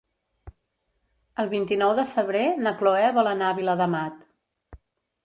El vint-i-nou de febrer na Cloè vol anar a Viladamat.